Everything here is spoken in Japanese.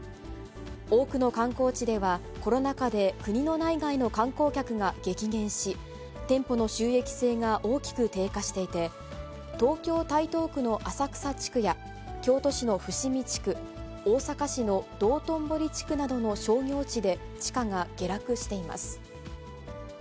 多くの観光地ではコロナ禍で国の内外の観光客が激減し、店舗の収益性が大きく低下していて、東京・台東区の浅草地区や、京都市の伏見地区、大阪市の道頓堀地区などの商業地で地価が下落しています。